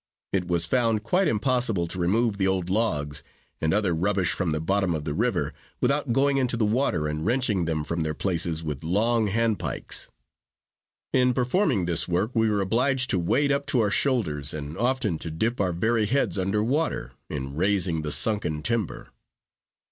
It was found quite impossible to remove the old logs, and other rubbish from the bottom of the river, without going into the water, and wrenching them from their places with long handspikes. In performing this work we were obliged to wade up to our shoulders, and often to dip our very heads under water, in raising the sunken timber.